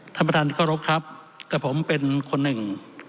ท่านประธานเคารพครับแต่ผมเป็นคนหนึ่ง